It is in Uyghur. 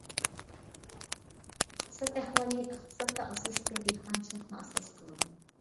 ئىقتىساد ئەھۋالى ئىقتىسادتا ئاساسلىقى دېھقانچىلىقنى ئاساس قىلىدۇ.